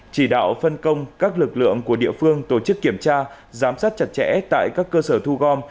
chỉ đạo phân công các lực lượng của địa phương tổ chức kiểm tra giám sát chặt chẽ tại các cơ sở thu gom